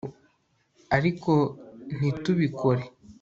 ariko ntitubikore